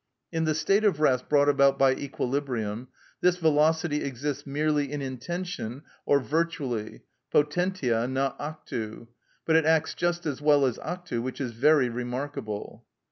In the state of rest brought about by equilibrium this velocity exists merely in intention or virtually, potentiâ, not actu; but it acts just as well as actu, which is very remarkable.